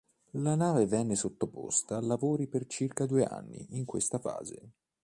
La nave venne sottoposta a lavori per circa due anni in questa fase.